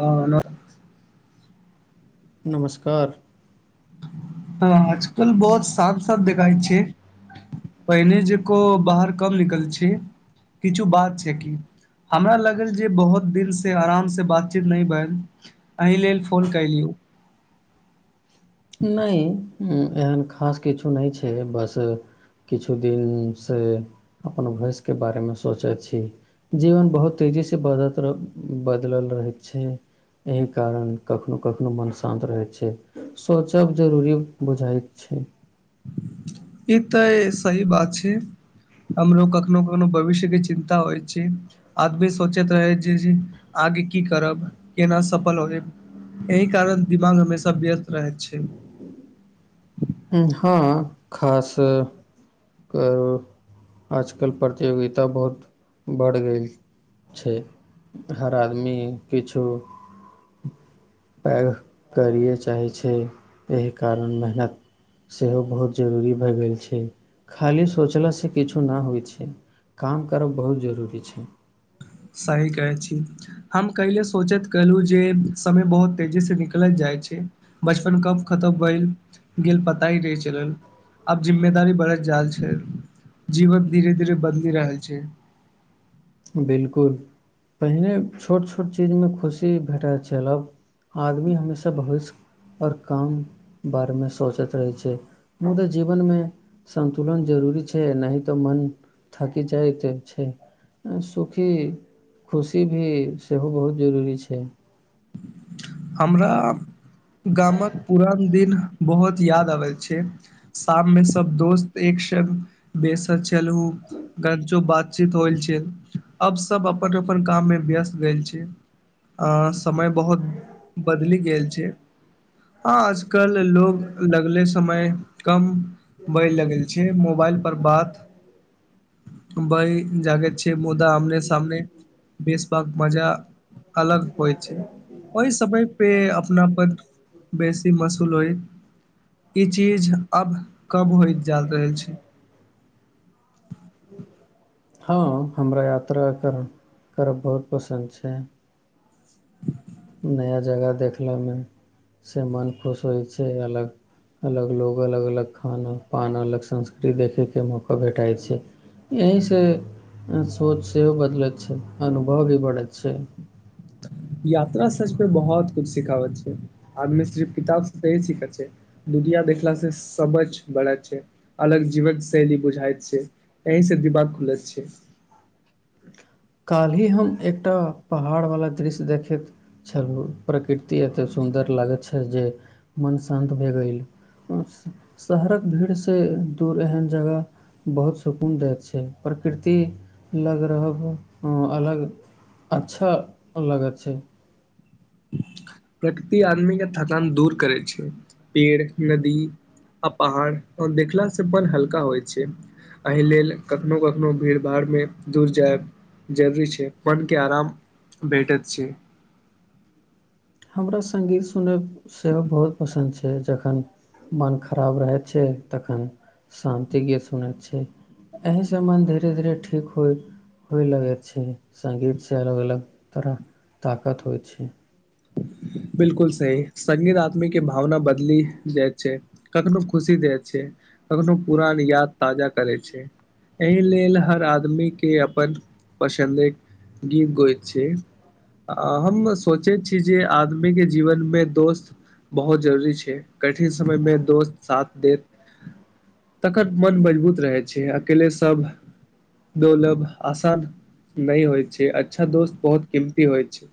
आ नअ नमस्कार हँ आजकल बहुत साफ साफ देखाइ छै पहिने जेको बाहर कम निकल छै किछु बात छै कि हमरा लागल जे बहुत दिन सँ आराम सँ बातचीत नहि भेल एहि लेल फोन कलियौ [inaudible] नहि एहन खास किछु नहि छै बस किछु दिन सँ अपन भैइस के बारे मे सोचैत छी जीवन बहुत तेजी सँ बरहत रह बदलल रहैत छै एहि कारण कखनहु कखनहु मन शान्त रहै छै सोचब जरूरी बुझाइत छै ई तऽ सही बात छै हमरोग कखनो कखनो भविष्य के चिन्ता होइ छै आदमी सोचैत रहै छी आगे की करब केना सफल हो जायब एहि कारण दिमाग हमेशा व्यस्त रहैत छै हँ खास करू आजकल प्रतियोगिता बहुत बढ़ि गेल छै हर आदमी किछो [inaudible] पैघ करिए चाहै छै एहि कारण मेहनत सेहो बहुत जरूरी भए गेल छै खाली सोचलासँ किछु नहि होइ छै काम करब बहुत जरूरी छै सही कहैत छी हम कैल सोचैत केलहुँ जे समय बहुत तेजीसँ निकलैत जाइत छै बचपन कब खतम भेल गेल पता ही रहै चलल आब जिम्मेदारी बड़े झाल छै जीवन धीरे धीर बदल रहल छै बिलकुल पहिने छोट छोट चीजमे खुशी भेटैत छलब आदमी हमेशा भविष्य आओर काम बारेमे सोचैत रहै छै ह तऽ जीवन मे संन्तुलन जरूरी छै न तऽ मन थकि जाइत छै सुखी खुशी भी सेहो बहुत जरूरी छै हमरा गामक पुरान दिन बहुत याद आबल छै शाम मे सब दोस्त एक बेसर चलू अगर जो बात छै अब सब अपन अपन काम मे व्यस्त भेल छी समय बहुत बदलि गेल छै आ कल लोग लगले समय कम बय लगल छै मोबाइल पर बात बय जागैत मुदा आमने सामने बेसभक मजा अलग होइ छै ओहि समय पे अपनाप बेसी मसूल हो ई चीज अब कब होइत जा रहल छै [inaudible] हँ हमरा यात्रा कर करब बहुत पसन्द छै नया जगह देखलेमे से मन खुश होइ छै अलग अलग लोग अलग अलग खाना पान अलग संस्कृति देखैके मौका भेटाइ छै यहीसँ सोच सेहो बदलै छै अनुभव भी बढ़ै छै तऽ यात्रा सच पे बहुत कुछ सिखाबै छै आदमी सिर्फ किताब त ही सीखै छै दुनिया देखला से सबझ बढ़त छै अलग जीवन शैली बुझाइत छै अी से दिवाग को लस छै का हम एकटा पहाड़ वाला दृश्य देखैत छलु प्रकृति एते सुंदर लागैत छै जे मन शान्त भए गेल शहरक भीड़सँ दूर एहन जगह बहुत सुकून दैत छै प्रकृति लग रहब हँ अलग अच्छा लगत छै प्रकृति आदमीके थकान दूर करै छै पेड़ नदी आ पहाड़ देखलास से मन हल्का होइ छै एहि लेल कखनो कखनो भीड़ भाड़मे दूर जायब जरूरी छै अपन के आराम भेटत छै हमरा संगीत सुनय सेहो बहुत पसन्द छै जखन मन खराब रहै छै तखन शान्ति गीत सुनै छै एहिसँ मन धीरे धीरे ठीक होय होय लगैत छै सगीत से अलग अलग तरह ताकत होइ छै [inaudible] बिलकुल सही संगीत आदमी के भावना बदली जाइ छै कखनो खुशी दइत छै तगन पुरान याद ताजा करै छै एहि लेल हर आदमीे अपन पसन्दे गीत गैत छी हम सोचै छी कीजे आदमी के जीवन मे दोस्त बहुत जरूरी छै कठिन समयमे दोस्त साथ दे तखन मन मजबूत रहै छै अकेले सब दोलभ आसान नहि होइ छै अच्छा दोस्त बहुत कीमती होइ छै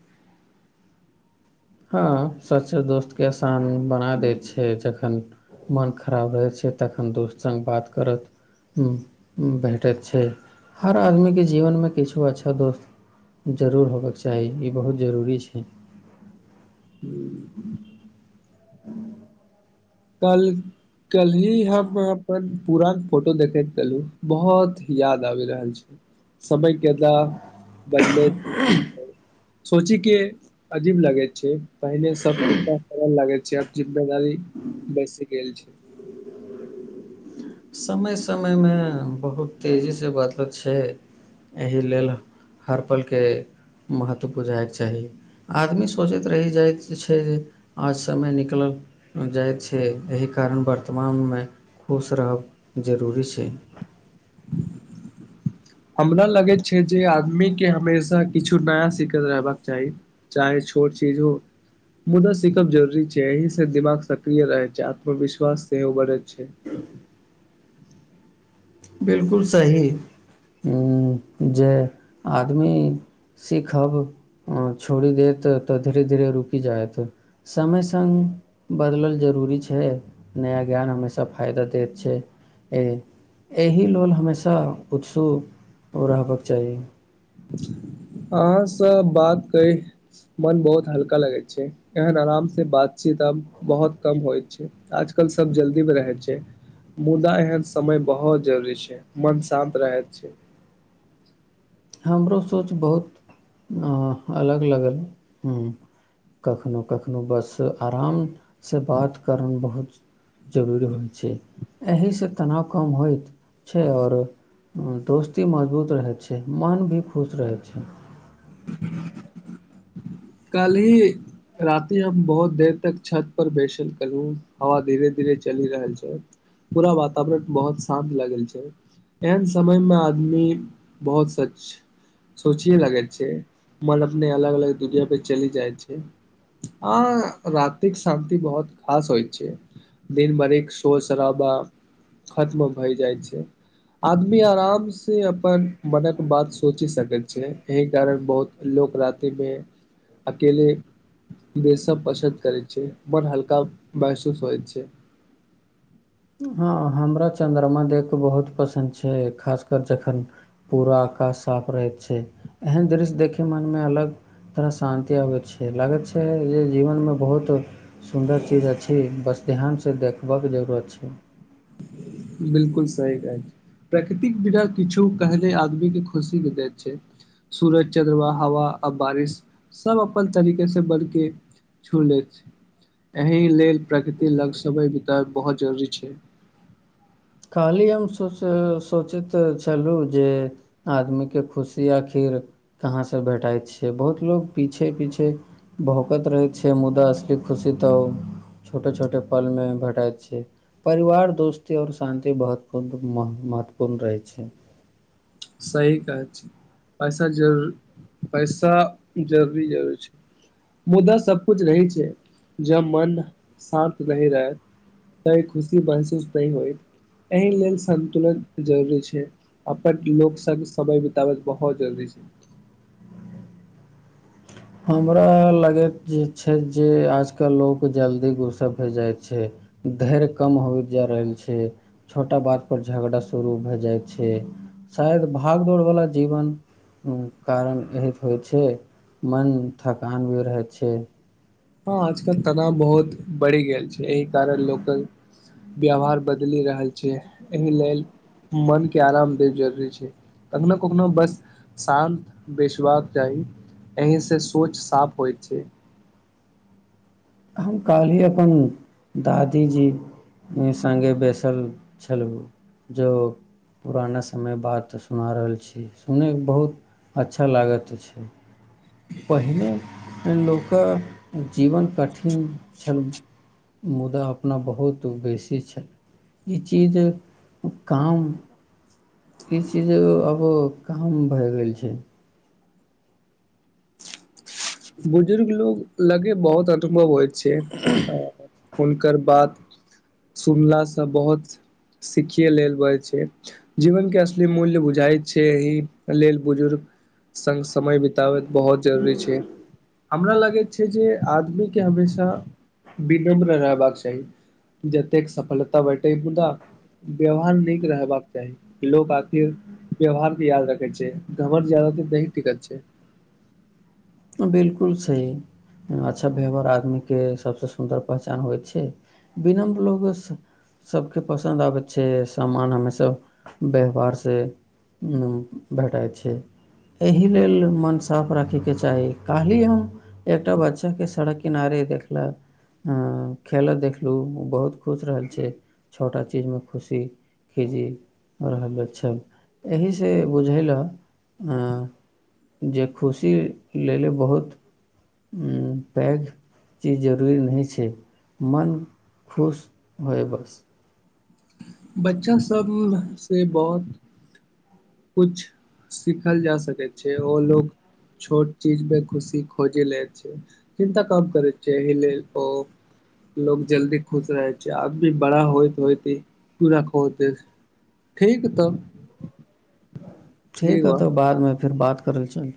हँ सच दोस्त के आसान बना दै छै जखन मन खराब रहै छै तखन दोस्त संग बात करत भेटैत छै हर आदमीके जीवनमे किछो अच्छा दोस्त जरूर होबयके चाही ई बहुत जरूरी छै हू [inaudible] कल कल्हि हम अपन पुरान फोटो देखे के केलू बहुत याद आबि रहल छै सबै कता [inaudible] सोची के अजीब लगे छै पहिने सब कितना सरल लागे छै चाप जिम्मेदारी बेस गेलल छै समय समयमे बहुत तेजीसँ बदलैत छै एहि लेल हर पलके महत्व बुझायके चाही आदमी सोचैत री जाइत छै जे आज समय निकलल जाइत छै एहि कारण वर्तमानमे खुश रहब जरूरी छै ह हमरा लगैत छै जे आदमीके हमेशा किछु नया सिखैत रहबाक चाही चाहे छोट चीज हो मुदा सीखब जरूरी छै अह से दिमाग सक्रिय रहै छै आत्मविश्वास सेहो बढ़े छै [inaudible] बिलकुल सही जे आदमी सीखब अ छोड़ी देत तऽ धीरे धीरे रुकि जायत समय सग बदलल जरूर जरूरी छै नया ज्ञान हमेशा फायदा दैत छै एहि लेल हमेशा उत्सुको रहबाक चाही अहाँ सब बात की मन बहुत हल्का लगै छै एहन आराम से बातचीत आब बहुत कम होइ छै आजकल कल सब जल्दी मे रहै छै मुदा एहन समय बहुत जरूरी छै मन शान्त रह छै हमरो सोच बहुत अलग लगल ह कखनहु कखनोहु बस आरामसँ बात करण बहुत जरूरी होइ छै एसँ तनाव कम होइ छै आओर दोस्ती मजबूत रहै छै मन भी खुश रहै छै ह कल ही राति हम बहुत देर तक छत पर बैसल केलहु हवा धीरे धीरे चलि रहल छै पूरा वातावरण बहुत शान्त लागल छै एहन समयमे आदमी बहुत सच सोचे लगै छै मन अपने अलग अलग दुनिया पे चलि जाइ छै आ रातिक शान्ति बहुत खास होइ छै दिन भरिक शोर शराबा खत्म भय जाइ छै आदमी आराम से अपन मनक बात सोचि सकैत छै एहि कारण बहुत लोक राति मे अकेले बेसब पसन्द करै छै बड हल्का महसूस होइ छै [inaudible] हँ हमरा चंद्रमा देख बहुत पसन्द छै खासकर जखन पूरा आकाश साफ रहैत छै एहन दृश्य देखै मनमे अलग तरह शान्ति आबैत छै लागैत छै जे जीवन मे बहुत सुन्दर चीज अछि बस ध्यान सँ देखबयके जरूरत छै बिलकुल सही कहै छियै प्राकृतिक बिना किछु कहनेे आदमी के खुशी मे दैत छै सूरज चद्रमा हवा आ बारिश सब अपन तरीके से बड के छू ले छै एहि लेल प्रकृति लग समय बितायब बहुत जरूरी छै खाली हम सो सोचैत छलहुँ जे आदमी के खुशी आखिर कहाँ से भेटाइत छै बहुत लोग पीछे पीछे भौकत रहै छै मुदा असलियत खुशी तो छोटे छोटे पल में भेटाैत छै परिवार दोस्ती और शान्ति बहत्वपूर्ण महत्वपूर्ण रहै छै सही कहे छियै पैसा जरूर पैसा जरूरी जरूर छै मुद्दा सब कुछ रही छै जब मन शान्त नहि रहै तइ खुशी महसूस नइ होयत एहि लेल संन्तुलन जरूरी छै अपन लोक संग समय बिताबल बहुत जरूरी छै हमरा लगैत जे छै जे आजकल लोक जल्दी गुस्सा भए जाइत छै धैर्य कम होइत जा रहल छै छोटा बात पर झगड़ा शुरू भए जायत छै शायद भाग दौड़ वला जीवन कारण एहत होइ छै मन थकान भी रहैत छै हँ आजकल तनाव बहुत बढ़ि गेल छै एहि कारण लोकल व्यवहार बदलि रहल छै एहि लेल मनके आराम देब जरूरी छै कखनो कखनो बस शान्त बइसबाक चाही एहिसँ सोच साफ होइत छै हम कहली अपन दादीजी ई सङ्गे बैसल छलहु जो पुराना समय बात सुना रहल छी सुनयके बहुत अच्छा लागत छै लोक जीवन कठिन छल मुदा अपना बहुत बेसी छल ई चीज काम ई चीज आबो काम भए गेल छै बुजुर्ग लोग लगे बहुत अनुभव होय छै आ हुनकर बात सुनला सँ बहुत सिखियए लेलै बजैत छै जीवन के असली मूल्य बुझाइ छै एहि लेल बुजुर्ग संग समय बिताबैत बहुत जरूरी छै हमरा लागैत छै जे आदमी के हमेशा विनम्र रहबाक चाही जतेक सफलता वटे मुदा व्यवहार नीक रहबाक चाही लोक आखिर व्यवहार के याद रखैत छै घमण्ड ज्यादा नही टिकैत छै बिलकुल सही अच्छा व्यवहार आदमी के सबसँ सुन्दर पहचान होइ छै विनम्र लोग सभके पसन्द आबैत छै सामान हमेसभ व्यवहारसँ भेटाइ छै एहि लेल मोन साफ राखैके च चाही कालहि हम एकटा बच्चा के सड़क किनारे देखलक अ खेलऽ देखलहु बहुत खुश रहल छै छोटा चीजमे खुशी कि जी रहल अछि एहीसँ बुझेल जे खुशी लेले बहुत पैघ चीज जरूरी नहि छै मन खुश होय बस बच्चा सभसँ बहुत किछ सिखल जा सकैत छै ओ लोक छोट चीजमे खुशी खोजे ले छै चिन्ता काम करैत छै एहि लेल ओ लोग जल्दी खुश रहे छै अब भी बड़ा होइत होयत बिवाह करैत अछि ठीक तब ठीक है तऽ बादमे फेर बात करल चल